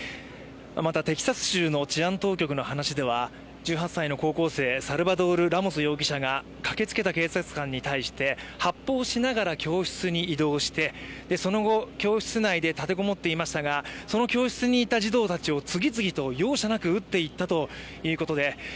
またテキサス州の治安当局の話では、１８歳の高校生サルバドール・ラモス容疑者がに駆けつけた警察官に対して発砲しながら教室に移動してその後、教室内で立てこもっていましたが、その教室にいた児童たちを次々と容赦なく撃っていったと。